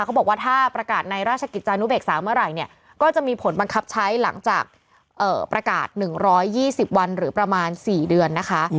เขาบอกว่าถ้าประกาศในราชกิจจานุเบกษาเมื่อไหร่เนี่ยก็จะมีผลบังคับใช้หลังจากประกาศ๑๒๐วันหรือประมาณ๔เดือนนะคะ